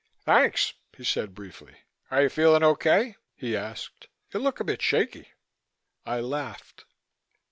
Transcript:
"Thanks," he said briefly. "Are you feeling okay?" he asked. "You look a bit shaky." I laughed.